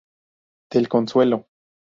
Del Consuelo.